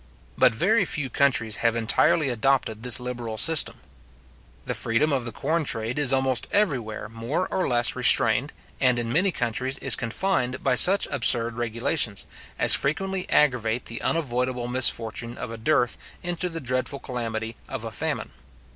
But very few countries have entirely adopted this liberal system. The freedom of the corn trade is almost everywhere more or less restrained, and in many countries is confined by such absurd regulations, as frequently aggravate the unavoidable misfortune of a dearth into the dreadful calamity of a famine.